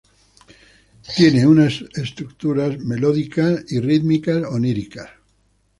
Tiene unas estructuras melódicas y rítmicas oníricas.